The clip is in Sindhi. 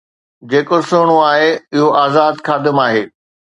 جيڪو سهڻو آهي اهو آزاد خادم آهي